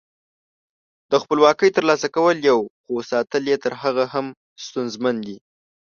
د خپلواکۍ تر لاسه کول یو، خو ساتل یې تر هغه هم ستونزمن دي.